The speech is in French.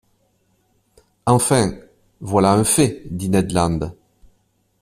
—Enfin, voilà un fait, dit Ned Land.